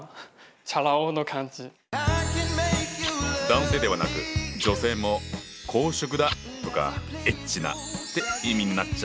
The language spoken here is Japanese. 男性ではなく女性も「好色だ」とか「エッチな」って意味になっちゃったんだ。